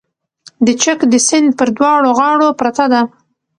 د چک د سیند پر دواړو غاړو پرته ده